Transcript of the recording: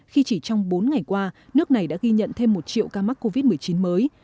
khi chỉ trong bốn ngày qua nước này đã ghi nhận thêm một triệu ca mắc covid một mươi chín mới